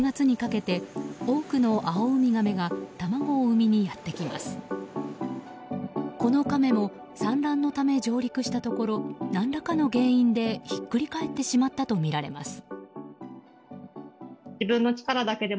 このカメも産卵のため上陸したところ何らかの原因でひっくりかえってしまったとみられます。